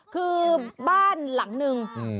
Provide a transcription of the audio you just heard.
คือบ้านหลังนึง